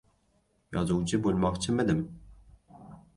Yozuvchi bo‘lmoqchimidim?